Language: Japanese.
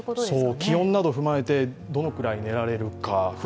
気温などを踏まえてどのくらい眠れそうか。